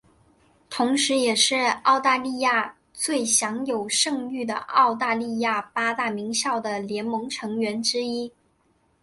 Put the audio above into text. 同时也是澳大利亚最享有盛誉的澳大利亚八大名校的联盟成员之一。